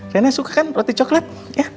rena suka kan roti coklat ya